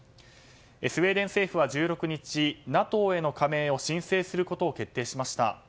スウェーデン政府は１６日ＮＡＴＯへの加盟を申請することを決定しました。